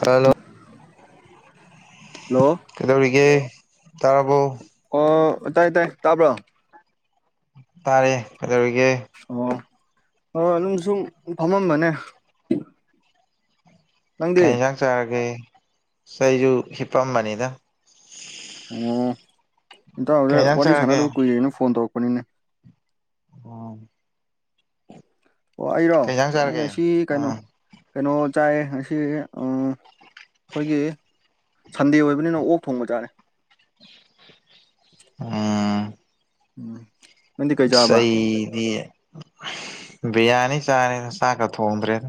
hello hello ꯀꯩꯗꯧꯔꯤꯒꯦ ꯇꯔꯕꯨ ꯑꯣ ꯇꯥꯏ ꯇꯥꯏ ꯇꯥꯕ꯭ꯔ ꯇꯥꯔꯦ ꯀꯩꯗꯧꯔꯤꯒꯦ ꯍꯣꯏ ꯑꯗꯨꯝ ꯁꯨꯝ ꯐꯝꯃꯝꯕꯅꯦ ꯀ ꯅꯪꯗꯤ ꯌꯦꯟꯁꯥꯡ ꯆꯥꯔꯒꯦ ꯆꯩꯁꯨ ꯍꯤꯞꯄꯝꯕꯅꯤꯗ ꯀꯩ ꯏꯟꯇꯖꯛ ꯌꯦꯟꯁꯥꯡ ꯋꯥꯔꯤ ꯆꯥꯔꯒꯦ ꯁꯥꯟꯅꯗꯕ ꯀꯨꯏꯔꯅ ꯐꯣꯟ ꯇꯧꯔꯛꯄꯅꯤꯅꯦ ꯑ ꯑꯣ ꯑꯩꯔꯣ ꯑꯩ ꯉꯁꯤ ꯀꯩꯅꯣ ꯎꯝ ꯀꯩꯅꯣ ꯆꯥꯏ ꯉꯁꯤ ꯑꯩꯈꯣꯏꯒꯤ ꯁꯟꯗꯦ ꯑꯣꯏꯕꯅꯤꯅ ꯑꯣꯛ ꯊꯣꯡꯕ ꯆꯥꯔꯦ ꯑꯥ ꯎꯝ ꯅꯪꯗꯤ ꯀꯩ ꯆꯥꯕ ꯁꯍꯤꯗꯤ ꯕꯤꯔꯌꯥꯅꯤ ꯆꯥꯅꯤ ꯁꯥ ꯊꯣꯡꯗ꯭ꯔꯦꯗ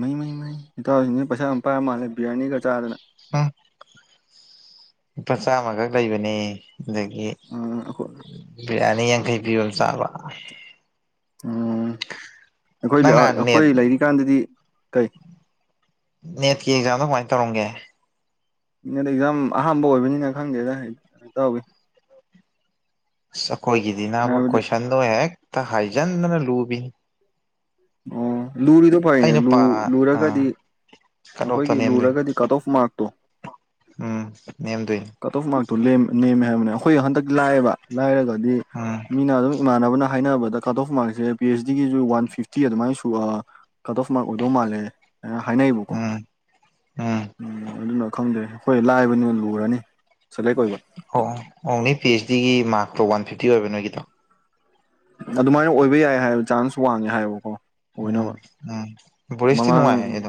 ꯃꯩ ꯃꯩ ꯃꯩ ꯏꯇꯥꯎꯁꯤꯡꯁꯤꯅ ꯄꯩꯁꯥ ꯑꯃ ꯄꯥꯏꯔ ꯃꯥꯜꯂꯦ ꯕꯤꯔꯌꯥꯅꯤꯒ ꯆꯥꯗꯅ ꯑ ꯂꯨꯄꯥ ꯆꯥꯝꯃꯈꯛ ꯂꯩꯕꯅꯦ ꯑꯗꯒꯤ ꯑꯩꯈꯣꯏ ꯕꯤꯔꯌꯥꯅꯤ ꯊꯩꯕꯤꯌꯣꯝ ꯆꯥꯕ ꯎꯝ ꯑꯩꯈꯣꯏ ꯅꯪ ꯅꯍꯥꯟ ꯑꯩꯈꯣꯏ ꯅꯦꯠ ꯂꯩꯔꯤꯀꯥꯟꯗꯗꯤ ꯀꯩ ꯅꯦꯠꯀꯤ ꯑꯦꯛꯖꯥꯝꯗꯣ ꯀꯃꯥꯏꯅ ꯇꯧꯔꯝꯒꯦ ꯑꯦꯛꯖꯥꯝ ꯑꯍꯥꯥꯟꯕ ꯑꯣꯏꯕꯅꯤꯅ ꯈꯪꯗꯦꯗ ꯇꯧꯋꯤ ꯑꯁ ꯑꯩꯈꯣꯏꯒꯤꯗꯤ ꯅꯅꯕ ꯀꯣꯏꯁꯟꯗꯣ ꯍꯦꯛꯇ ꯍꯥꯏꯖꯤꯟꯗꯅ ꯂꯨꯕꯤꯅꯤ ꯑꯣꯝ ꯂꯨꯔꯤꯗꯣ ꯐꯩꯅꯦ ꯑꯩꯅ ꯄꯥ ꯑ ꯂꯨꯔꯒꯗꯤ ꯀꯠ ꯑꯣꯐꯇꯣ ꯑꯩꯈꯣꯏꯒꯤ ꯅꯦꯝꯗꯣꯏꯅꯤ ꯂꯨꯔꯒꯗꯤ ꯀꯠ ꯑꯣꯐ ꯃꯥꯔꯛꯇꯣ ꯎꯝ ꯅꯦꯝꯗꯣꯏꯅꯤ ꯀꯇꯣ ꯐꯨꯃꯒꯇ ꯅꯃꯦ ꯍꯥꯏꯦꯕꯅ ꯑꯩꯈꯣꯏ ꯍꯟꯗꯛ ꯂꯥꯏꯑꯦꯕ ꯂꯥꯏꯔꯒꯗꯤ ꯎꯝ ꯃꯤꯅ ꯑꯗꯨꯝ ꯏꯃꯥꯟꯅꯕꯅ ꯍꯥꯏꯅꯕꯗ ꯀꯔꯠ ꯑꯣꯐ ꯃꯥꯡꯁꯦ ꯄꯤ ꯑꯩꯆ ꯗꯤꯒꯤꯁꯨ ꯋꯥꯟ ꯐꯤꯐꯤ ꯆꯤ ꯑꯗꯨꯃꯥꯏꯅ ꯁ ꯀꯠ ꯑꯣꯐ ꯃꯥꯔꯛ ꯑꯣꯏꯗꯧ ꯃꯥꯜꯂꯦ ꯑꯩꯅ ꯍꯥꯏꯅꯩꯕꯀꯣ ꯎꯝ ꯎꯝ ꯑꯗꯨꯅ ꯈꯪꯗꯦ ꯑꯩꯈꯣꯏ ꯂꯥꯛꯏꯕ ꯅꯣꯟꯕ ꯎꯔꯅꯤ ꯑꯣ ꯑꯣꯡꯂꯤ ꯄꯤ ꯑꯩꯆ ꯗꯤꯒꯤ ꯃꯥꯔꯛꯇꯣ ꯋꯥꯟ ꯐꯤꯐꯇꯤ ꯑꯣꯏꯕ ꯅꯣꯏꯒꯤꯗꯣ ꯑꯗꯨꯃꯥꯏꯅ ꯑꯣꯏꯕ ꯌꯥꯏ ꯍꯥꯏꯕ ꯆꯥꯟꯁ ꯋꯥꯡꯉꯦ ꯍꯥꯏꯕꯀꯣ ꯎꯝ ꯑꯣꯏꯅꯕ ꯎꯝ ꯔꯤꯁꯇꯤ ꯃꯃꯥꯡ ꯅꯨꯡꯉꯥꯏꯝ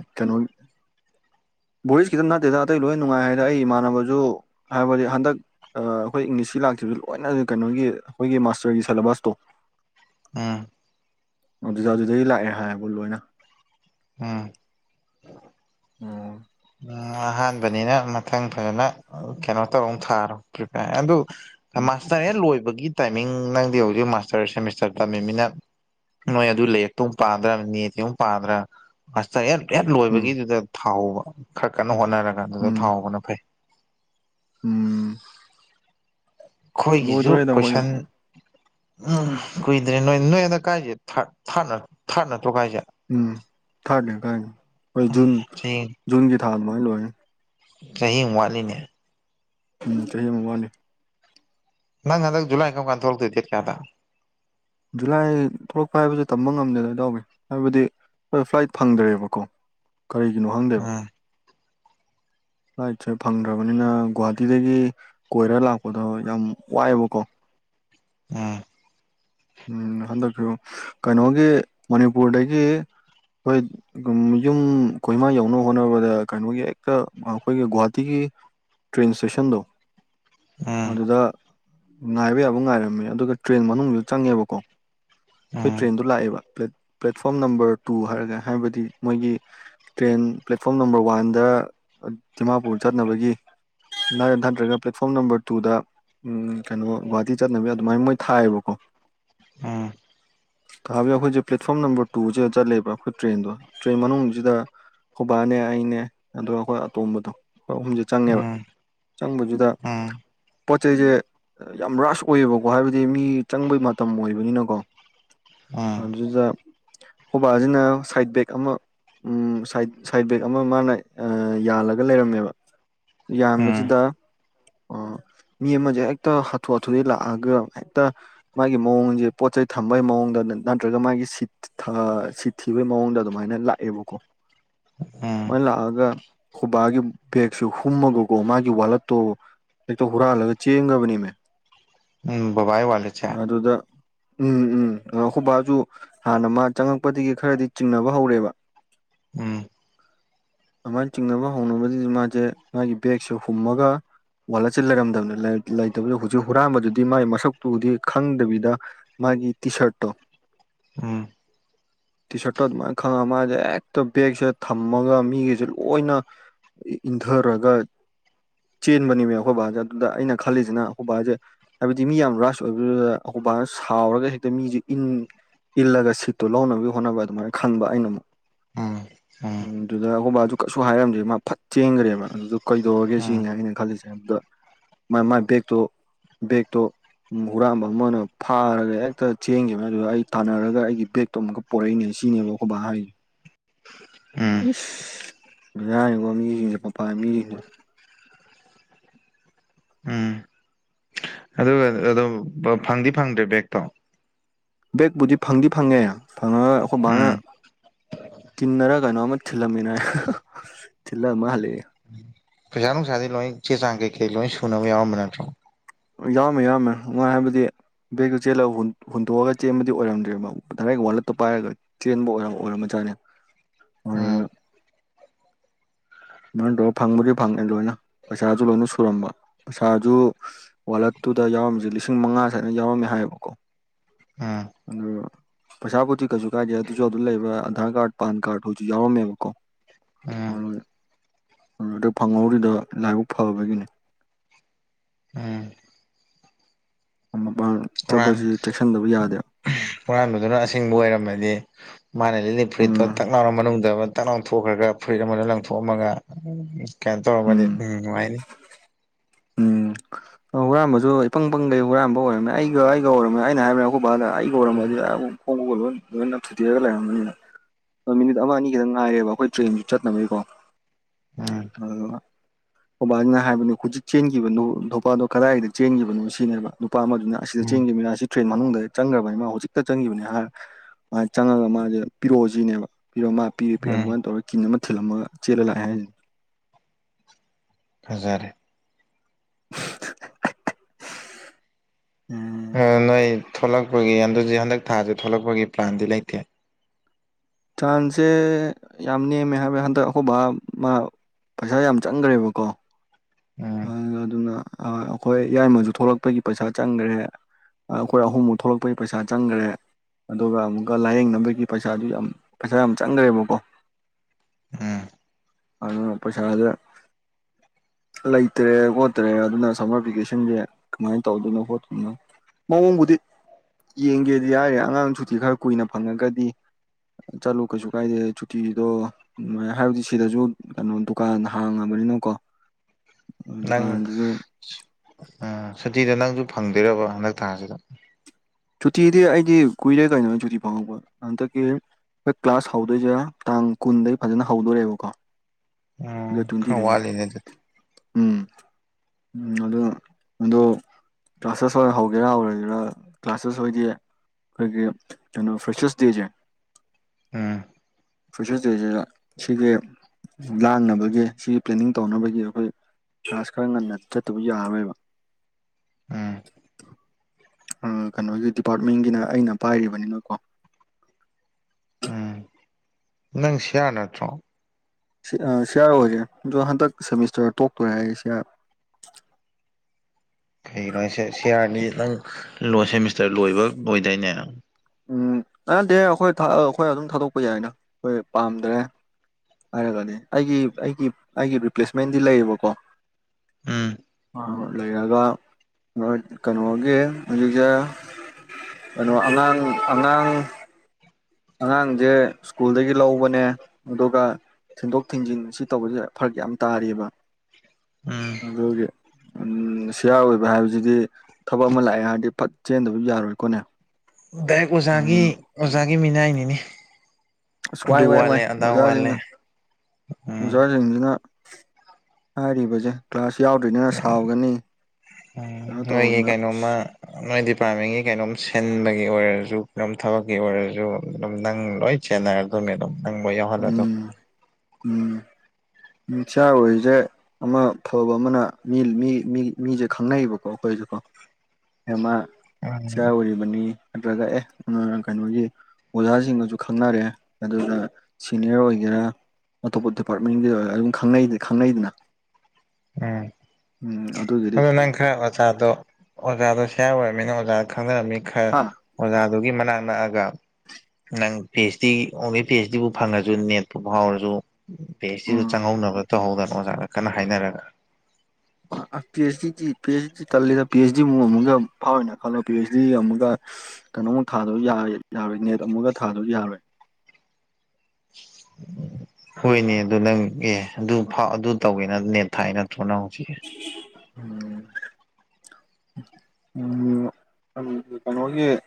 ꯚꯣꯔꯤꯁ ꯈꯤꯇꯪ ꯅꯠꯇꯦꯗ ꯑꯇꯩ ꯂꯣꯏ ꯅꯨꯡꯉꯥꯏ ꯍꯥꯏꯔꯦ ꯑꯩ ꯏꯃꯥꯟꯅꯕꯁꯨ ꯍꯥꯏꯕꯗꯤ ꯍꯟꯗꯛ ꯑꯩꯈꯣꯏ ꯏꯪꯂꯤꯁ ꯂꯥꯛꯇꯈꯤꯕꯗꯨ ꯂꯣꯏꯅ ꯀꯩꯅꯣꯒꯤ ꯑꯩꯈꯣꯏꯒꯤ ꯃꯥꯁꯇꯔꯒꯤ ꯁꯦꯂꯦꯕꯥꯁꯇꯣ ꯑꯝ ꯑꯗꯨꯗ ꯑꯗꯨꯗꯒꯤ ꯂꯥꯛꯑꯦ ꯍꯥꯏꯕꯨ ꯂꯣꯏꯅ ꯎꯝ ꯎ ꯎꯝ ꯑꯍꯥꯟꯕꯅꯤꯅ ꯃꯊꯪ ꯐꯖꯅ ꯀꯩꯅꯣ ꯇꯧꯔ ꯊꯥꯔꯣ ꯄ꯭ꯔꯤꯄ ꯑꯗꯨ ꯎꯝ ꯃꯥꯁꯇꯔ ꯍꯦ ꯂꯣꯏꯕꯒꯤ ꯇꯥꯏꯃꯤꯡ ꯅꯪꯗꯤ ꯍꯧꯖꯤꯛ ꯃꯥꯁꯇꯔ ꯁꯦꯃꯤꯁꯇꯔ ꯇꯝꯃꯤꯃꯤꯅ ꯅꯣꯏ ꯑꯗꯨ ꯂꯩꯔꯛꯇꯨ ꯄꯥꯗ꯭ꯔꯥ ꯅꯦꯠꯇꯤ ꯑꯃꯨꯛ ꯄꯥꯗ꯭ꯔꯥ ꯑꯁꯇ ꯍꯟ ꯍꯠ ꯎꯝ ꯂꯣꯏꯕꯒꯤꯗꯨꯗ ꯊꯥꯎ ꯍꯧꯕ ꯈꯔ ꯀꯟꯅ ꯍꯣꯠꯅꯔꯒ ꯑꯗꯨꯗ ꯊꯥꯎ ꯎꯝ ꯍꯧꯕꯅ ꯐꯩ ꯎꯝ ꯑꯩꯈꯣꯏꯒꯤꯁꯨ ꯂꯣꯏꯗꯣꯔꯦꯗ ꯑꯩꯈꯣꯏ ꯀꯣꯏꯁꯟ ꯎꯝ ꯀꯨꯏꯗ꯭ꯔꯦ ꯅꯣꯏ ꯅꯣꯏ ꯑꯗ ꯀꯥꯏꯁꯦ ꯊꯅ ꯎꯝ ꯊꯥꯔꯠꯅꯦ ꯀꯥꯏꯅꯤ ꯑꯩꯈꯣꯏ ꯖꯨꯟ ꯆꯍꯤ ꯖꯨꯟꯒꯤ ꯊꯥ ꯑꯗꯨꯃꯥꯏꯅ ꯂꯣꯏꯅꯤ ꯆꯍꯤ ꯃꯠꯂꯤꯅꯦ ꯎꯝ ꯆꯍꯤ ꯃꯣꯕꯥꯂꯤꯦ ꯅꯪ ꯉꯗ ꯖꯂꯥꯏ ꯇꯠ ꯀ ꯖꯨꯂꯥꯏ ꯊꯣꯛꯂꯛꯄ ꯍꯥꯏꯕꯁꯦ ꯇꯝꯕ ꯉꯝꯗꯦꯗ ꯇꯧꯋꯦ ꯍꯥꯏꯕꯗꯤ ꯍꯣꯏ ꯐ꯭ꯂꯥꯏꯠ ꯐꯪꯗ꯭ꯔꯦꯕꯀꯣ ꯀꯔꯤꯒꯤꯅꯣ ꯈꯪꯗꯦꯕ ꯎꯝ ꯂꯥꯏꯠꯁꯦ ꯐꯪꯗ꯭ꯔꯕꯅꯤꯅ ꯒꯨꯍꯥꯇꯤꯗꯒꯤ ꯀꯣꯏꯔ ꯂꯥꯛꯄꯗꯣ ꯌꯥꯝ ꯋꯥꯏꯑꯦꯕꯀꯣ ꯎꯝ ꯎꯝ ꯍꯟꯗꯛꯀꯤ ꯀꯩꯅꯣꯒꯤ ꯃꯅꯤꯄꯨꯔꯗꯒꯤ ꯍꯣꯏ ꯌꯨꯝ ꯀꯣꯏꯃꯥ ꯌꯧꯅꯕ ꯍꯣꯠꯅꯕꯗ ꯀꯩꯅꯣꯒꯤ ꯍꯦꯛꯇ ꯑꯩꯈꯣꯏꯒꯤ ꯒꯨꯍꯥꯇꯤꯒꯤ ꯇ꯭ꯔꯦꯦꯟ ꯁꯇꯦꯁꯟꯗ ꯎꯝ ꯑꯗꯨꯗ ꯉꯥꯏꯕ ꯌꯥꯕ ꯉꯥꯏꯔꯝꯃꯦ ꯑꯗꯨꯒ ꯇ꯭ꯔꯦꯟ ꯃꯅꯨꯡꯁꯨ ꯆꯪꯉꯦꯕꯀꯣ ꯑꯩꯈꯣꯏ ꯇ꯭ꯔꯦꯟꯗꯣ ꯂꯥꯛꯑꯦꯕ꯭ꯂꯦ ꯄ꯭ꯂꯦꯠꯐꯣꯝ ꯅꯝꯕꯔ ꯇꯨ ꯍꯥꯏꯔꯒ ꯍꯥꯏꯕꯗꯤ ꯃꯣꯏꯒꯤ ꯇ꯭ꯔꯦꯟ ꯄ꯭ꯂꯦꯠꯐꯣꯝ ꯅꯝꯕꯔ ꯋꯥꯟꯗ ꯗꯤꯃꯥꯄꯨꯔ ꯆꯠꯅꯕꯒꯤ ꯊꯟꯠꯇ꯭ꯔꯒ ꯄ꯭ꯂꯦꯠꯐꯣꯝ ꯅꯝꯕꯔ ꯇꯨꯗ ꯎꯝ ꯀꯩꯅꯣ ꯒꯨꯍꯥꯇꯤ ꯆꯠꯅꯕꯤ ꯑꯗꯨꯃꯥꯏꯅ ꯃꯣꯏ ꯊꯥꯏꯌꯦꯕꯀꯣ ꯎꯝ ꯀꯥꯍꯕꯤꯌꯣ ꯑꯩꯈꯣꯏꯁꯦ ꯄ꯭ꯂꯦꯠꯐꯣꯔꯝ ꯅꯝꯕꯔ ꯇꯨꯁꯤꯗ ꯆꯠꯂꯦꯕ ꯑꯩꯈꯣꯏ ꯇ꯭ꯔꯦꯟꯗꯣ ꯇ꯭ꯔꯦꯟ ꯃꯅꯨꯡꯁꯤꯗ ꯈꯨꯕꯥꯅꯦ ꯑꯩꯅꯦ ꯑꯗꯨꯒ ꯑꯩꯈꯣꯏ ꯑꯇꯣꯝꯕꯗꯣ ꯂ ꯑꯍꯨꯝꯁꯦ ꯎꯝ ꯆꯪꯉꯦꯕ ꯎꯝ ꯆꯪꯕꯗꯨꯗ ꯎꯝ ꯄꯣꯠ ꯆꯩꯁꯦ ꯌꯥꯝ ꯔꯁ ꯑꯣꯏꯌꯦꯕꯀꯣ ꯍꯥꯏꯕꯗꯤ ꯃꯤ ꯆꯪꯕꯩ ꯃꯇꯝ ꯑꯣꯏꯕꯅꯤꯅꯀꯣ ꯖꯤꯗ ꯍꯕꯁꯤꯅ ꯁꯥꯏꯠ ꯕꯦꯛ ꯑꯃ ꯎ ꯁꯥꯏꯠ ꯕꯦꯦꯛ ꯑꯃ ꯃꯥꯅ ꯌꯥꯜꯂꯒ ꯂꯩꯔꯝꯃꯦꯕ ꯎꯝ ꯎꯝ ꯌꯥꯝꯕꯁꯤꯗ ꯑꯣ ꯃꯤ ꯑꯃꯁꯦ ꯍꯦꯛꯇ ꯍꯥꯊꯨ ꯍꯥꯊꯨꯗꯩ ꯂꯥꯛꯑꯒ ꯍꯦꯛꯇ ꯃꯥꯒꯤ ꯃꯑꯣꯡꯁꯦ ꯄꯣꯠ ꯆꯩꯩ ꯊꯝꯕꯒꯤ ꯃꯑꯣꯡꯗ ꯅꯠꯇ꯭ꯔꯒ ꯃꯥꯒꯤ ꯁꯤꯠ ꯁꯤꯠ ꯊꯤꯕꯩ ꯃꯑꯣꯡꯗ ꯑꯗꯨꯃꯥꯏꯅ ꯂꯑꯕꯀꯣ ꯎꯝ ꯃꯂꯒ ꯍꯨꯕꯒꯤ ꯕꯦꯛꯁꯤꯁꯨ ꯍꯨꯃꯒꯒꯣ ꯃꯥꯒꯤ ꯋꯥꯂꯠꯇꯣ ꯍꯦꯛꯇ ꯍꯨꯔꯥꯜꯂꯒ ꯆꯦꯡꯕꯅꯤꯃꯦ ꯎꯝ ꯕꯥꯏ ꯋꯥꯂꯦꯁ ꯑꯗꯨꯗ ꯎꯝ ꯎꯝ ꯑꯣ ꯑꯩꯈꯣꯏꯕꯥꯁꯨ ꯍꯥꯟꯅ ꯃꯥ ꯆꯪꯉꯛꯄꯗꯒꯤ ꯈꯔꯗꯤ ꯆꯤꯡꯅꯕ ꯍꯧꯔꯦꯕ ꯎꯝ ꯑꯗꯨꯃꯥꯏꯅ ꯆꯤꯡꯅꯕ ꯍꯧꯅꯕꯗꯗꯤ ꯃꯥꯁꯦ ꯃꯥꯒꯤ ꯕꯦꯒꯁꯦ ꯍꯨꯝꯃꯒ ꯋꯥꯠꯂꯠꯁꯤ ꯂꯩꯔꯝꯗꯕꯅꯤ ꯂꯩꯇꯕꯗ ꯍꯧꯖꯤꯛ ꯍꯨꯔꯥꯟꯕꯗꯨꯗꯤ ꯃꯥꯏ ꯃꯁꯛꯇꯨꯗꯤ ꯈꯪꯗꯕꯤꯗ ꯃꯥꯒꯤ ꯇꯤ ꯁꯥꯔꯠꯇꯣ ꯎꯝ ꯇꯤ ꯁꯥꯔꯠꯇꯣ ꯑꯗꯨꯃꯥꯏꯅ ꯈꯪꯉ ꯃꯥꯁꯦ ꯍꯦꯛꯇ ꯕꯦꯒꯁꯦ ꯊꯝꯃꯒ ꯃꯤꯒꯤꯁꯦ ꯂꯣꯏꯅ ꯏꯟꯙꯔꯒ ꯆꯦꯟꯕꯅꯤꯅꯦ ꯑꯩꯈꯣꯏ ꯕꯥꯁꯦ ꯑꯗꯨꯗ ꯑꯩꯅ ꯈꯜꯂꯤꯁꯤꯅ ꯑꯩꯈꯣꯏꯕꯥꯁꯦ ꯍꯥꯏꯕꯗꯤ ꯃꯤ ꯌꯥꯝ ꯔꯥꯁ ꯑꯩꯈꯣꯕꯥꯅ ꯁꯥꯎꯔꯒ ꯍꯦꯛꯇ ꯃꯤꯁꯦ ꯏꯟ ꯏꯜꯂꯒ ꯁꯤꯠꯇꯨ ꯂꯧꯅꯕꯒꯤ ꯍꯣꯠꯅꯕ ꯑꯗꯨꯃꯥꯏꯅ ꯈꯟꯕ ꯑꯩꯅ ꯑꯃꯨꯛ ꯎꯝ ꯑꯗꯨꯗ ꯑꯍꯣꯕ ꯑꯗꯨ ꯀꯩꯁꯨ ꯍꯥꯏꯔꯝꯗꯦ ꯃꯥ ꯐꯠ ꯆꯦꯡꯈ꯭ꯔꯦꯕ ꯑꯗꯨꯗ ꯀꯩꯗꯧꯔꯒꯦ ꯁꯤꯅꯤ ꯎꯝ ꯍꯥꯏꯅ ꯈꯜꯂꯤꯁꯦ ꯑꯗꯨꯗ ꯃꯥ ꯃꯥ ꯕꯒ ꯇꯣ ꯕꯒ ꯇꯣ ꯍꯨꯔꯥꯟꯕ ꯑꯃ ꯑꯣꯏꯅ ꯐꯥꯔꯒ ꯍꯦꯛꯇ ꯆꯦꯡꯈꯤꯕꯅ ꯑꯗꯨꯗ ꯑꯩ ꯊꯥꯅꯔꯒ ꯑꯩꯒꯤ ꯕꯦꯒꯛꯇꯣ ꯑꯃꯨꯛꯀ ꯄꯣꯔꯛꯏꯅꯦ ꯁꯤ ꯕ ꯀꯧꯕ ꯍ ꯎꯝ ꯏꯁ ꯥꯅꯤꯀꯣ ꯃꯤꯁꯤꯡꯁꯦ ꯃꯄ ꯃꯤꯁꯤꯡꯅ ꯎꯝ ꯑꯗꯨꯒ ꯑꯗꯨꯝ ꯐꯪꯗꯤ ꯐꯪꯗ꯭ꯔꯦ ꯕꯦꯒꯛꯇꯣ ꯕꯦꯛꯄꯨꯗꯤ ꯐꯪꯗꯤ ꯐꯪꯉꯦ ꯐꯪꯉꯒ ꯑꯩꯈꯣꯏ ꯃꯥꯕꯥꯅ ꯎꯝ ꯇꯤꯟꯅꯔ ꯀꯩꯅꯣ ꯑꯃ ꯊꯤꯜꯂꯝꯃꯤꯅ ꯊꯤꯜꯂꯝ ꯑꯃ ꯍꯜꯂꯦ ꯄꯖꯥꯅ ꯁꯥ ꯂ ꯆꯦ ꯆꯥꯡꯒꯦ ꯀ ꯂ ꯁꯨ ꯅ ꯃꯅ꯭ꯔ ꯌꯥꯔꯝꯃꯦ ꯌꯥꯔꯝꯃꯦ ꯅꯨꯡꯉꯥꯏ ꯍꯥꯏꯕꯗꯤ ꯕꯦꯒꯛꯇꯨ ꯆꯦꯜꯂ ꯍꯨꯟꯇꯣꯛꯑꯒ ꯆꯦꯟꯃꯗꯤ ꯑꯣꯏꯔꯝꯗ꯭ꯔꯦꯕ ꯗꯥꯦꯛ ꯋꯥꯠꯂꯛꯇ ꯄꯥꯏꯔꯒ ꯆꯦꯟꯕ ꯑꯣꯏꯔ ꯑꯣꯏꯔꯝ ꯃꯆꯥꯥꯅꯤ ꯎꯝ ꯑꯗꯨꯃꯥꯏꯅ ꯇꯧꯔ ꯐꯪꯕꯨꯗꯤ ꯐꯪꯉꯦ ꯂꯣꯏꯅ ꯄꯩꯁꯥꯁꯨ ꯂꯣꯏꯅ ꯁꯨꯔꯝꯕ ꯄꯩꯁꯥꯁꯨ ꯋꯥꯠꯂ ꯇꯨꯗ ꯌꯥꯎꯔꯝꯃꯤꯁꯦ ꯂꯤꯁꯤꯡ ꯃꯉꯥ ꯁꯨꯋꯥꯏꯅ ꯌꯥꯎꯔꯝꯃꯦ ꯍꯥꯏꯌꯦꯕꯀꯣ ꯎꯝ ꯑꯗꯨ ꯄꯩꯁꯥ ꯄꯣꯠꯇꯤ ꯀꯩꯁꯨ ꯀꯥꯏꯗꯦ ꯑꯗꯨꯁꯨ ꯑꯗꯨꯝ ꯂꯩꯕ ꯑꯙꯥꯔ ꯀꯥꯔꯗ ꯄꯥꯟ ꯀꯥꯔꯗꯣꯏꯁꯨ ꯌꯥꯎꯔꯝꯃꯦꯕꯀꯣ ꯑ ꯑꯗꯨꯗ ꯐꯪꯍꯧꯔꯤꯗ ꯂꯥꯏꯕꯛ ꯐꯕꯒꯤꯅꯤ ꯎꯝ ꯃꯄꯥꯟ ꯍꯨꯔꯥꯟ ꯆꯠꯄꯁꯤ ꯆꯦꯛꯁꯤꯟꯗꯕ ꯌꯥꯗꯦ ꯍꯨꯔꯥꯟꯕꯗꯨꯅ ꯑꯁꯤꯡꯕ ꯑꯣꯏꯔꯝꯃꯗꯤ ꯃꯥꯅ ꯂꯤꯂꯤ ꯎꯝ ꯐꯨꯔꯤꯠꯇꯣ ꯇꯛ ꯂꯥꯎꯅ ꯃꯅꯨꯡꯗ ꯇꯛ ꯂꯥꯎꯅ ꯊꯣꯛꯈ꯭ꯔꯒ ꯐꯨꯔꯤꯠ ꯑꯃꯗ ꯂꯪꯊꯣꯛꯑꯝꯃꯒ ꯀꯩꯅꯣ ꯇꯧꯔꯝꯃꯗꯤ ꯎꯝ ꯅꯨꯡꯉꯥꯏꯅꯤ ꯎꯝ ꯑꯣ ꯍꯨꯔꯥꯟꯕꯁꯨ ꯏ ꯄꯪ ꯄꯪꯒꯩ ꯍꯨꯔꯥꯟꯕ ꯑꯣꯏꯔꯝꯃꯦ ꯑꯩꯒ ꯑꯩꯒ ꯑꯣꯏꯔꯝꯃꯦ ꯑꯩꯅ ꯍꯥꯏꯔꯝꯃꯦ ꯑꯩꯈꯣꯏꯕꯥꯗ ꯑꯩꯒ ꯑꯣꯏꯔꯝꯕꯁ ꯐꯣꯡ ꯂ ꯂꯣꯏꯝꯊꯤꯗꯤꯔꯒ ꯂꯩꯔꯝꯅꯤꯅ ꯃꯤꯅꯤꯠ ꯑꯃ ꯑꯅꯤ ꯈꯤꯗꯪ ꯉꯥꯏꯔꯦꯕ ꯑꯩꯈꯣꯏ ꯇ꯭ꯔꯦꯟꯁꯨ ꯆꯠꯅꯕꯒꯤꯀꯣ ꯎꯝ ꯑ ꯕꯥꯁꯤꯅ ꯍꯥꯏꯕꯅꯦ ꯍꯧꯖꯤꯛ ꯆꯦꯟꯈꯤꯕꯅꯣ ꯊꯧꯜꯗꯣ ꯀꯗꯥꯏꯗ ꯆꯦꯟꯈꯤꯕꯅꯣ ꯁꯤꯅꯦꯕ ꯅꯨꯄꯥ ꯑꯃꯗꯨꯅ ꯑꯁꯤꯗ ꯎꯝ ꯆꯦꯟꯈꯤꯕꯃꯤꯅ ꯁꯤ ꯇ꯭ꯔꯦꯟ ꯃꯅꯨꯡꯗ ꯆꯪꯈ꯭ꯔꯕꯅꯤ ꯃꯥ ꯍꯧꯖꯤꯛꯇ ꯆꯪꯈꯤꯕꯅꯤ ꯍꯥꯏꯔ ꯑꯗꯨꯥꯏꯅ ꯆꯪꯉꯒ ꯃꯥꯁꯦ ꯄꯤꯔꯛꯑꯣ ꯁꯤꯅꯦꯕ ꯄꯤꯔꯣ ꯃꯥ ꯄꯤꯔꯦ ꯄꯤꯔ ꯎꯝ ꯑꯗꯨꯃꯥꯏ ꯇꯧꯔ ꯀꯤꯟ ꯑꯃ ꯊꯤꯜꯂꯝꯃꯒ ꯆꯦꯜꯂ ꯂꯥꯛꯑ ꯍꯥꯏꯅ ꯎꯝ ꯊꯖꯔꯦ ꯎꯝ ꯅꯣꯏ ꯊꯣꯛꯂꯛꯄꯒꯤ ꯑꯗꯨꯟꯖꯤ ꯍꯟꯗꯛ ꯊꯥꯁꯦ ꯊꯣꯛꯂꯛꯄꯒꯤ ꯄ꯭ꯂꯥꯟꯗꯤ ꯂꯩꯇꯦ ꯆꯥꯟꯁꯦ ꯌꯥꯝ ꯅꯦꯝꯃꯦ ꯍꯥꯏꯃꯦ ꯍꯟꯗ ꯑꯍꯣꯕ ꯄꯩꯁꯥ ꯌꯥꯝ ꯆꯪꯈ꯭ꯔꯦꯕꯀꯣ ꯎꯝ ꯑꯗꯨꯅ ꯑꯩꯈꯣꯏ ꯏꯏꯃꯁꯨ ꯊꯣꯛꯂꯛꯄꯒꯤ ꯄꯩꯁꯥ ꯆꯪꯈ꯭ꯔꯦ ꯑꯩꯈꯣꯏ ꯑꯍꯨꯝꯃꯨꯛ ꯊꯣꯛꯂꯛꯄꯒꯤ ꯄꯩꯁꯥ ꯆꯪꯈ꯭ꯔꯦ ꯑꯗꯨꯒ ꯑꯃꯨꯛꯀ ꯂꯥꯏꯌꯦꯡꯅꯕꯒꯤ ꯄꯩꯁꯥꯗꯨ ꯌꯥꯝ ꯄꯩꯁꯥ ꯌꯥꯝ ꯆꯪꯈ꯭ꯔꯦꯕꯀꯣ ꯎꯝ ꯑꯅ ꯄ꯭ꯔꯁꯥꯗ ꯂꯩꯇ꯭ꯔꯦ ꯈꯣꯠꯇ꯭ꯔꯦ ꯑꯗꯨꯅ ꯁꯝꯃꯔ ꯚꯦꯀꯦꯁꯟꯁꯦ ꯀꯃꯥꯏꯅ ꯇꯧꯗꯣꯏꯅꯣ ꯈꯣꯠꯇꯣꯏꯅꯣ ꯃꯑꯣꯡꯕꯨꯗꯤ ꯌꯦꯡꯒꯦꯗꯤ ꯌꯥꯔꯦ ꯑꯉꯥꯡ ꯁꯨꯇꯤ ꯈꯔ ꯀꯨꯏꯅ ꯐꯪꯉꯒꯗꯤ ꯆꯠꯂꯨ ꯀꯩꯁꯨ ꯀꯥꯏꯗꯦ ꯆꯨꯇꯤꯗꯣꯅꯨꯡꯉꯥꯏ ꯍꯥꯏꯕꯗꯤ ꯁꯤꯗꯁꯨ ꯀꯩꯅꯣ ꯗꯨꯀꯥꯟ ꯍꯥꯡꯉ ꯅꯣ ꯗꯨꯀꯥꯟꯁꯨ ꯁꯨꯇꯤꯗ ꯅꯪꯁꯨ ꯐꯪꯗꯣꯏꯔꯕꯣ ꯍꯟꯗꯛ ꯊꯥꯁꯤꯗ ꯆꯨꯇꯤꯗꯤ ꯑꯩꯗꯤ ꯀꯨꯏꯔꯦ ꯀꯩꯅꯣ ꯆꯨꯇꯤ ꯐꯪꯉꯛꯄ ꯍꯟꯗꯛꯀꯤ ꯑꯩꯣꯏ ꯀ꯭ꯂꯥꯁ ꯍꯧꯗꯣꯏꯁꯤꯦ ꯇꯥꯡ ꯀꯨꯟꯗꯒꯤꯩ ꯐꯖꯅ ꯍꯧꯗꯣꯔꯦꯕꯀꯣ ꯎꯝ ꯈꯔ ꯊꯤꯒ ꯋꯥꯠꯂꯤꯅꯦ ꯑꯗꯨꯗꯤ ꯎꯝ ꯎꯝ ꯑꯗꯨꯗ ꯃꯗꯨ ꯀ꯭ꯂꯥꯁꯦꯁ ꯍ ꯍꯧꯒꯦꯔꯥ ꯍꯧꯔꯗꯨꯔ ꯀ꯭ꯂꯥꯁꯦꯁ ꯍꯗꯤ ꯑꯩꯈꯣꯏꯒꯤ ꯀꯩꯅꯣ ꯐ꯭ꯔꯦꯁꯁ ꯗꯖꯦ ꯎꯝ ꯁꯣꯏꯁꯗꯦꯁꯤ ꯁꯤꯒꯤ ꯂꯥꯡꯅꯕꯒꯤ ꯁꯤꯒꯤ ꯄ꯭ꯂꯦꯅꯤꯡ ꯇꯧꯅꯕꯒꯤ ꯑꯩꯈꯣꯏ ꯀ꯭ꯂꯥꯁ ꯈꯔ ꯉꯟꯅ ꯆꯠꯇꯕ ꯌꯥꯔꯔꯣꯏꯕ [inaudible] ꯎꯝ ꯀꯩꯅꯣꯒꯤ ꯗꯤꯄꯥꯔꯠꯃꯦꯟꯒꯤꯅ ꯑꯩꯅ ꯄꯥꯏꯔꯤꯕꯅꯤꯅꯀꯣ [inaudible] ꯏꯪꯁꯤꯌꯥꯅꯠꯇ꯭ꯔꯣ ꯁꯤ ꯑꯥꯔ ꯑꯣꯏꯔꯦ ꯑꯗꯣ ꯍꯟꯗꯛ ꯁꯦꯃꯤꯁꯇꯔ ꯇꯇꯣꯔꯦ ꯍꯥꯏꯦ ꯁꯤ ꯑꯥꯔ ꯀꯩꯒꯤꯅꯣ ꯁꯤꯌꯥꯔꯅꯤ ꯈꯤꯪ ꯂꯣ ꯁꯦꯃꯤꯁꯇꯔ ꯂꯣꯏꯕ ꯂꯣꯏꯗꯣꯏꯅꯦ ꯎꯝ ꯌꯥꯠꯇꯦ ꯑꯩꯈꯣꯏ ꯑꯩꯈꯣꯏ ꯑꯗꯨꯝ ꯊꯥꯗꯣꯛꯄ ꯌꯥꯏꯅ ꯑꯩꯈꯣꯏ ꯄꯥꯝꯗ꯭ꯔꯦ ꯍꯥꯏꯔꯒꯗꯤ ꯑꯩꯒꯤ ꯑꯩꯒꯤ ꯑꯩꯒꯤ ꯔꯤꯄ꯭ꯂꯦꯁꯃꯦꯟꯗꯤ ꯂꯩꯌꯦꯕꯀꯣ ꯎꯝ ꯂꯩꯔꯒ ꯀꯩꯅꯣꯒꯤ ꯍꯧꯖꯤꯛꯁ ꯀꯩꯅꯣ ꯑꯉꯥꯡ ꯑꯉꯥꯡ ꯑꯉꯥꯡꯁꯦ ꯁ꯭ꯀꯨꯜꯗꯒꯤ ꯂꯧꯕꯅꯦ ꯑꯗꯨꯒ ꯊꯤꯟꯗꯣꯛ ꯊꯤꯟꯖꯤꯟ ꯁꯤ ꯇꯧꯕꯁꯦ ꯐꯔ ꯌꯥꯝ ꯇꯥꯔꯤꯑꯕ ꯎꯝ ꯑꯗꯨꯗꯤ ꯎꯝ ꯁꯤꯌꯥꯔ ꯑꯣꯏꯕ ꯍꯥꯏꯕꯁꯤꯗꯤ ꯊꯕꯛ ꯑꯃ ꯂꯥꯛꯑꯦ ꯍꯥꯏꯔꯗꯤ ꯐꯠ ꯆꯦꯟꯗꯕ ꯌꯥꯔꯣꯏꯀꯣꯅꯦ ꯗꯥꯏꯦꯛ ꯑꯣꯖꯥꯒꯤ ꯑꯗꯨꯅ ꯑꯣꯖꯥꯒꯤ ꯃꯤꯅꯥꯏꯅꯤꯅꯤ ꯑꯁ ꯋꯥꯏ ꯋꯥꯏ ꯋꯥꯏ ꯑꯣꯖꯥꯁꯤꯡꯅ ꯎꯝ ꯑꯣꯖꯥꯁꯤꯡꯁꯤꯅ ꯁꯥꯔꯤꯕꯖꯦ ꯀ꯭ꯂꯥꯁ ꯌꯥꯎꯗ꯭ꯔꯤꯅꯤꯅ ꯁꯥꯎꯒꯅꯤ ꯎꯝ ꯀꯩꯅꯣ ꯅꯣꯏꯒꯤ ꯇꯧꯗꯅ ꯀꯩꯅꯣꯝꯃ ꯅꯣꯏ ꯗꯤꯄꯥꯔꯠꯃꯦꯟꯒꯤ ꯀꯩꯅꯣꯝ ꯁꯤꯟꯕꯒꯤ ꯑꯣꯏꯔꯁꯨ ꯑꯗꯨꯝ ꯊꯕꯛꯀꯤ ꯑꯣꯏꯔꯁꯨ ꯑꯗꯨꯝ ꯅꯪ ꯂꯣꯏ ꯆꯦꯟꯅꯔꯗꯣꯏꯅꯤ ꯑꯗꯨꯝ ꯅꯪꯕ ꯌꯥ ꯍꯜꯂꯗꯣ ꯏꯆꯥꯆꯥ ꯑꯣꯏꯔꯤꯁꯦ ꯑꯃ ꯑꯕ ꯑꯃꯅ ꯃꯤ ꯃꯤꯁꯦ ꯈꯪꯅꯩꯕꯀꯣ ꯑꯩꯈꯣꯏꯁꯦ ꯣ ꯑꯦꯃ ꯏꯆꯥ ꯎꯝ ꯑꯣꯏꯔꯤꯕꯅꯤ ꯅꯠꯇ꯭ꯔꯒ ꯑꯦ ꯀꯩꯅꯣꯒꯤ ꯑꯣꯖꯥꯁꯤꯡꯒꯁꯨ ꯈꯪꯅꯔꯦ ꯑꯗꯨꯅ ꯁꯤꯅꯤꯌꯔ ꯑꯣꯏꯒꯦꯔꯥ ꯑꯇꯣꯞꯄ ꯗꯤꯄꯥꯔꯠꯃꯦꯟꯒꯤ ꯑꯣꯏ ꯑꯗꯨꯝ ꯈꯪꯅꯩ ꯈꯪꯅꯩꯗꯅ ꯎꯝ ꯎꯝ ꯑꯗꯨꯒꯤꯗꯤ ꯑꯗꯨꯣ ꯅꯪ ꯐꯩ ꯈꯔꯆꯥ ꯑꯗꯣ ꯑꯣꯖꯥꯗꯣ ꯁꯤꯌꯥꯔ ꯑꯣꯏꯔꯝꯅꯤꯅ ꯑꯣꯖꯥ ꯈꯪꯅꯔꯝꯃꯤ ꯈꯔ ꯍꯥ ꯑꯣꯖꯥꯗꯨꯒꯤ ꯃꯅꯥꯛ ꯅꯛꯑꯒ [inaudible] ꯪ ꯐꯤ ꯑꯩꯁ ꯗꯤ ꯑꯣꯡꯂꯤ ꯐꯤ ꯑꯩꯆ ꯗꯤꯕꯨ ꯐꯪꯉꯁꯨ ꯅꯦꯠꯄꯨ ꯐꯥꯎꯔꯁꯨ ꯐꯤ ꯑꯩꯆ ꯗꯤꯗꯨ ꯎꯝ ꯆꯪꯍꯧꯅꯕ ꯇꯧꯍꯧꯗꯅ ꯑꯣꯖꯥꯗ ꯀꯟꯅ ꯍꯥꯏꯅꯔꯒ ꯑ P H D P H D ꯇꯜꯂꯤꯗ ꯄꯤ ꯑꯩꯆ ꯗꯤ ꯑꯃꯨꯛ ꯑꯃꯨꯛ ꯐꯥꯎꯋꯦꯅ ꯈꯜꯂꯣ ꯄꯤ ꯑꯩꯆ ꯗꯤ ꯑꯃꯨꯛꯀ ꯀꯩꯅꯣꯝꯨꯛ ꯊꯥꯗꯣꯏ ꯌꯥꯔꯣꯏ ꯅꯦꯠ ꯑꯃꯒ ꯊꯥꯗꯣꯏꯁꯨ ꯌꯥꯔꯣꯏ ꯍꯣꯏꯅꯦ ꯑꯗꯨ ꯅꯪ ꯑꯦ ꯑꯗꯨ ꯑꯗꯨ ꯇꯧꯋꯦꯅꯅꯦ ꯊꯥꯏꯅ ꯊꯣꯛꯅꯥ ꯍꯧꯖꯤꯦ ꯎꯝ ꯎꯝ ꯀꯩꯅꯦ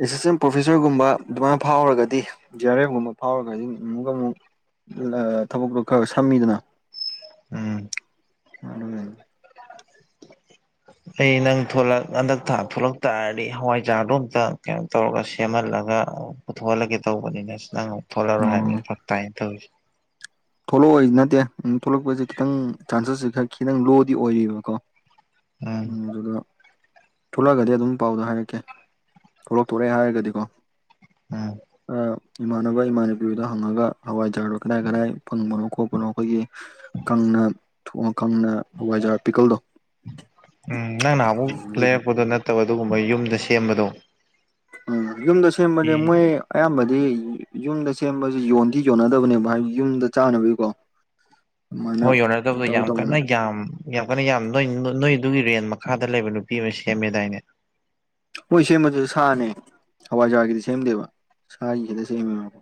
ꯑꯦꯁꯤꯁꯇꯦꯟ ꯄ꯭ꯔꯣꯐꯦꯁꯔꯒꯨꯝꯕ ꯑꯗꯨꯃꯥꯏꯅ ꯐꯥꯎꯔꯒꯗꯤ ꯖꯤ ꯑꯥꯔ ꯑꯦꯐꯒꯨꯝꯕ ꯐꯥꯎꯔꯒꯗꯤ ꯑꯃꯨꯛꯀ ꯑꯃꯨꯛ ꯊꯕꯛꯇꯣ ꯈꯔ ꯁꯝꯃꯤꯗꯅ ꯎꯝ ꯃꯥ ꯑꯩ ꯅꯪ ꯊꯂꯛ ꯍꯟꯗꯛ ꯊꯥ ꯊꯂꯛ ꯇꯥꯔꯗꯤ ꯍꯋꯥꯏꯖꯥꯔꯗꯣ ꯑꯝꯇ ꯀꯩꯅꯣ ꯇꯧꯔꯒ ꯁꯦꯝꯍꯜꯂꯒꯦ ꯠꯂꯒ ꯄꯨꯊꯣꯛꯍꯂꯒꯦ ꯇꯧꯕꯅꯤꯅ ꯅꯪ ꯑꯃꯨꯛ ꯊꯣꯛꯣꯜꯂꯔꯣꯏ ꯍꯥꯏꯕꯅꯤ ꯐꯛ ꯇꯥꯏꯅ ꯇꯧꯔꯤꯁꯦ ꯊꯣꯛꯂꯛꯑꯣꯗꯤ ꯅꯠꯇꯦ ꯊꯣꯛꯂꯛꯄꯁꯦ ꯈꯤꯇꯪ ꯆꯥꯟꯁꯦꯁꯁꯦ ꯈꯔ ꯈꯤꯇꯪ ꯂꯣꯗꯤ ꯑꯣꯏꯔꯤꯕꯀꯣ ꯎꯝ ꯎ ꯑꯗꯨꯗ ꯊꯣꯛꯂꯛꯑꯒꯗꯤ ꯑꯗꯨꯝ ꯄꯥꯎꯗꯣ ꯍꯥꯏꯔꯛꯀꯦ ꯊꯣꯛꯂꯛꯇꯣꯔꯦ ꯍꯥꯏꯔꯒꯗꯤꯀꯣ ꯎꯝ ꯏꯃꯥꯟꯅꯕ ꯏꯃꯥꯟꯅꯕꯤꯗ ꯍꯪꯉꯒ ꯍꯋꯥꯏ ꯔꯗꯣ ꯀꯗꯥꯏ ꯀꯗꯥꯏ ꯐꯪꯕꯅꯣ ꯈꯣꯠꯄꯅꯣ ꯑꯩꯈꯣꯏꯒꯤ ꯀꯪꯅ ꯊꯣꯡꯉ ꯈꯪꯅ ꯍꯋꯥꯏꯖꯥꯔꯥ ꯄꯤꯀꯜꯗꯣ ꯎꯝ ꯅꯪ ꯅꯍ ꯑꯃꯨꯛ ꯑꯗꯨꯗꯣ ꯂꯩꯔꯛꯄꯗꯣ ꯅꯠꯇꯕ ꯑꯗꯨꯒꯨꯝꯕ ꯌꯨꯝꯗ ꯁꯦꯝꯕꯗꯣ ꯎꯝ ꯌꯨꯝꯗ ꯁꯦꯝꯕꯗꯤ ꯃꯣꯏ ꯑꯌꯥꯝꯕꯗꯤ ꯑꯗꯨ ꯌꯨꯝꯗ ꯁꯦꯝꯕꯕꯁꯤ ꯌꯣꯟꯗꯤ ꯌꯣꯟꯅꯗꯕꯅꯦꯕ ꯍꯥꯏꯗꯤ ꯌꯨꯝꯗ ꯆꯥꯅꯕꯒꯤꯀꯣ ꯑꯗꯨꯃꯥꯏꯅ ꯍꯣꯏ ꯌꯣꯟꯅꯔꯗꯕꯗꯣ ꯇꯧ ꯌꯥꯝ ꯇꯧꯕꯅ ꯀꯟꯅ ꯌꯥꯝ ꯌꯥꯝ ꯀꯟꯅ ꯌꯥꯝ ꯅ ꯅ ꯑꯗꯨꯒꯤ ꯔꯦꯟ ꯃꯈꯥꯗ ꯂꯩꯕ ꯅꯨꯄꯤ ꯑꯃ ꯁꯦꯝꯃꯦꯗꯥꯏꯅꯦ ꯍꯣꯏ ꯁꯦꯝꯕꯗꯨꯁꯨ ꯁꯥꯅꯦ ꯍꯋꯥꯏꯖꯥꯔꯒꯤꯗꯤ ꯁꯦꯝꯗꯦꯕ ꯁꯥꯒꯤ ꯈꯤꯗ ꯁꯦꯝꯃꯦꯕꯣ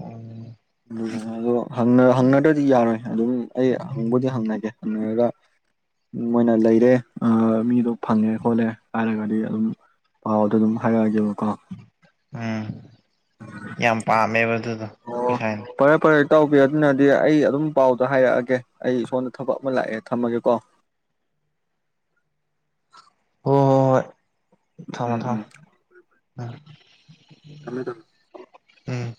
ꯑ ꯎꯝ ꯑꯗꯣ ꯍꯪꯅꯗ꯭ꯔꯗꯤ ꯌꯥꯔꯣꯏ ꯑꯗꯨꯝ ꯑꯩ ꯍꯪꯕꯨꯗꯤ ꯍꯪꯅꯒꯦ ꯍꯪꯅꯔꯒ ꯃꯣꯏꯅ ꯂꯩꯔꯦ ꯃꯤꯗꯣ ꯐꯪꯉꯦ ꯈꯣꯠꯂꯦ ꯍꯥꯏꯔꯒꯗꯤ ꯑꯗꯨꯝ ꯄꯥꯎꯗꯣ ꯑꯗꯨꯝ ꯍꯥꯏꯔꯛꯑꯒꯦꯕ ꯎꯝ ꯌꯥꯝ ꯄꯥꯝꯃꯦꯕ ꯑꯗꯨꯗꯣ ꯑꯣ ꯄꯩꯁꯥꯅ ꯐꯔꯦ ꯐꯔꯦ ꯏ ꯇꯥꯎꯕꯗ ꯅ ꯑꯗꯨꯗꯤ ꯑꯩ ꯑꯗꯨꯝ ꯄꯥꯎꯗ ꯍꯥꯏꯔꯛꯑꯒꯦ ꯑꯩ ꯏꯁꯣꯝꯗ ꯊꯕꯛ ꯑꯃ ꯂꯥꯛꯑꯦ ꯊꯝꯃꯒꯦꯀꯣ [inaudible] ꯍ ꯍꯣ ꯍꯣꯏ ꯊꯃ ꯎꯝ ꯎꯝ ꯊꯃ ꯊꯝꯃꯦ ꯊꯝꯃꯦ ꯎꯝ